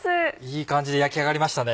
いい感じで焼き上がりましたね。